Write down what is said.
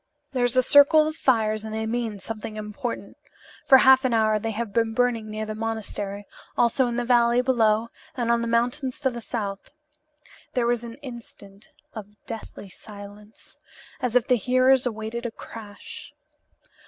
"There is a circle of fires and they mean something important. For half an hour they have been burning near the monastery; also in the valley below and on the mountains to the south." There was an instant of deathly silence, as if the hearers awaited a crash.